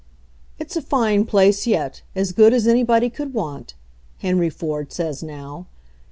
"It's a fine place yet, as good as anybody could want," Henry Ford says now.